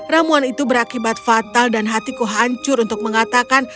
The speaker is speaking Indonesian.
ramuan itu berakibat fatal dan hatiku hancur untuk mengatakan